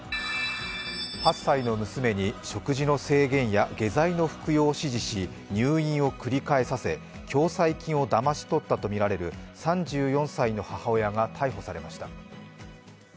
８歳の娘に食事の制限や下剤の服用を指示し、入院を繰り返させ、共済金をだまし取ったとみられる３４歳の母親が逮捕されました。